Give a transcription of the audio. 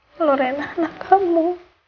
kalau reina anak kamu